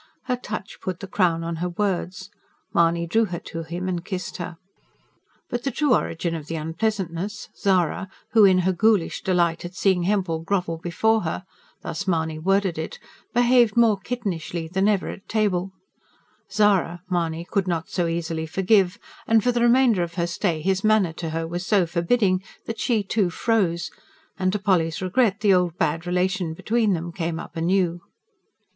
Her touch put the crown on her words. Mahony drew her to him and kissed her. But the true origin of the unpleasantness, Zara, who in her ghoulish delight at seeing Hempel grovel before her thus Mahony worded it behaved more kittenishly than ever at table: Zara Mahony could not so easily forgive; and for the remainder of her stay his manner to her was so forbidding that she, too, froze; and to Polly's regret the old bad relation between them came up anew.